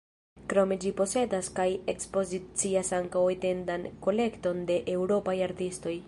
Krome ĝi posedas kaj ekspozicias ankaŭ etendan kolekton de eŭropaj artistoj.